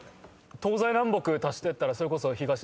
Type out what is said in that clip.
東西南北足してったらそれこそ「東新宿」とか。